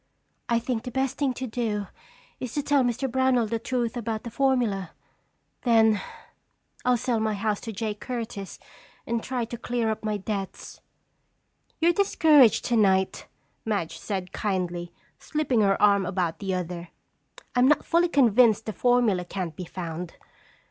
"I think the best thing to do is to tell Mr. Brownell the truth about the formula. Then I'll sell my house to Jake Curtis and try to clear up my debts." "You're discouraged tonight," Madge said kindly, slipping her arm about the other. "I'm not fully convinced the formula can't be found.